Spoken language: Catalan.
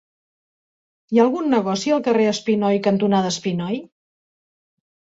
Hi ha algun negoci al carrer Espinoi cantonada Espinoi?